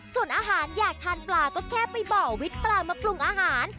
ส่วนอาหารอยากทานปลาก็แค่ไปบ่อวิทย์ปลามาปรุงอาหาร